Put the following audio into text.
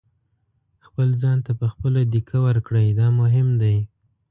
خپل ځان ته په خپله دېکه ورکړئ دا مهم دی.